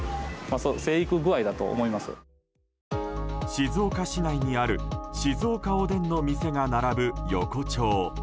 静岡市内にある静岡おでんの店が並ぶ横丁。